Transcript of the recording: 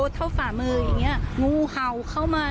เพราะว่าเกี่ยวกับสายผลไม่ได้